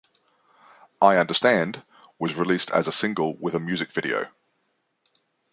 "I Understand" was released as a single with a music video.